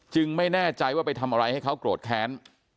ไม่แน่ใจว่าไปทำอะไรให้เขาโกรธแค้น